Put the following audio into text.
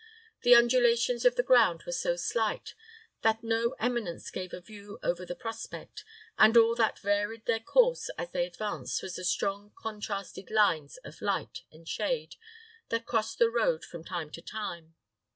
The undulations of the ground were so slight that no eminence gave a view over the prospect, and all that varied their course as they advanced were the strongly contrasted lines of light and shade that crossed the road from time to time.